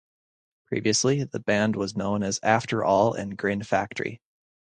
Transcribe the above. Previously, the band was known as After All and Grin Factory.